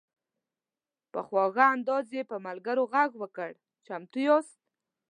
په خواږه انداز یې پر ملګرو غږ وکړ: "چمتو یاست؟"